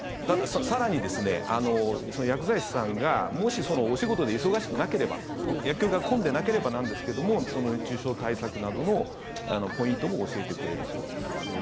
更に、薬剤師さんがもしお仕事で忙しくなければ薬局が混んでなければなんですけども熱中症対策などのポイントも教えてくれるそうです。